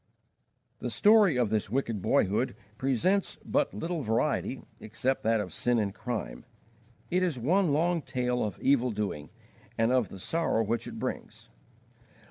The story of this wicked boyhood presents but little variety, except that of sin and crime. It is one long tale of evil doing and of the sorrow which it brings.